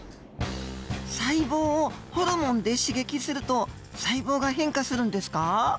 細胞をホルモンで刺激すると細胞が変化するんですか？